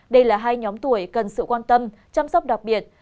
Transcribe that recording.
đây là hai nhóm tuổi cần sự quan tâm chăm sóc đặc biệt